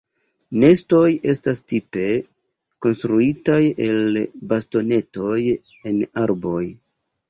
Nestoj estas tipe konstruitaj el bastonetoj en arboj.